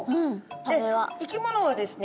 で生き物はですね